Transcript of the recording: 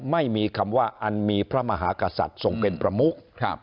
ไม่มีคำว่าอันมีพระมหากษัตริย์ทรงเป็นประมุก